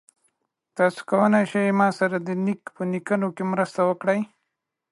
تاسو کولی شئ ما سره د لیک په لیکلو کې مرسته وکړئ؟